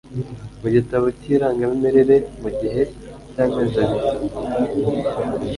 mu gitabo cy irangamimere mu gihe cy amezi abiri